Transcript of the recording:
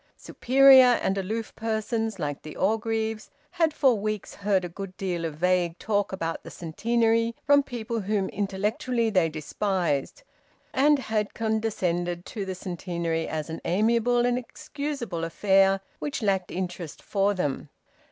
Superior and aloof persons, like the Orgreaves, had for weeks heard a good deal of vague talk about the Centenary from people whom intellectually they despised, and had condescended to the Centenary as an amiable and excusable affair which lacked interest for them.